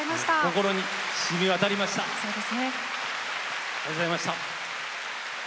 心にしみわたりました。